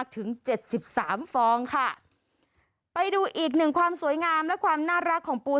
ถึงเจ็ดสิบสามฟองค่ะไปดูอีกหนึ่งความสวยงามและความน่ารักของปู